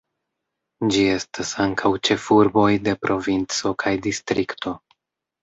Ĝi estas ankaŭ ĉefurboj de provinco kaj distrikto.